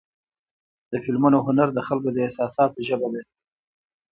د فلمونو هنر د خلکو د احساساتو ژبه ده.